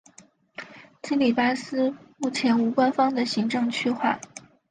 基里巴斯目前无官方的行政区划。